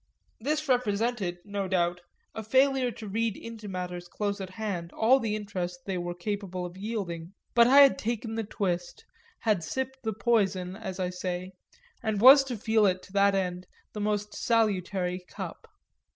This represented, no doubt, a failure to read into matters close at hand all the interest they were capable of yielding; but I had taken the twist, had sipped the poison, as I say, and was to feel it to that end the most salutary cup.